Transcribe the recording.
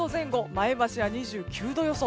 前橋は２９度予想。